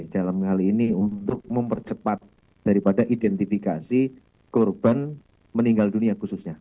dalam hal ini untuk mempercepat daripada identifikasi korban meninggal dunia khususnya